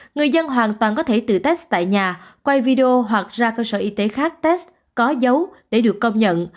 người dân hoàn toàn có thể tự test tại nhà quay video hoặc ra cơ sở y tế khác test có dấu để được công nhận